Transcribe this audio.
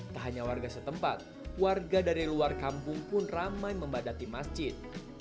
tak hanya warga setempat warga dari luar kampung pun ramai membadati masjid